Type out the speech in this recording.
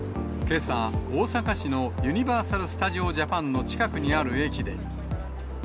けさ、大阪市のユニバーサル・スタジオ・ジャパンの近くにある駅で。